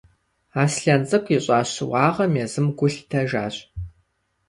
Аслъэн цӏыкӏу ищӏа щыуагъэм езым гу лъитэжащ.